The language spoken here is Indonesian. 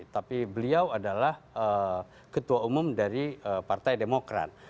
tapi beliau adalah ketua umum dari partai demokrat